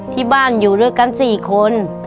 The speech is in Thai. ที่บ้านอยู่ด้วยกัน๔คน